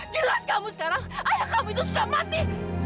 jelas kamu sekarang ayah kamu itu sudah mati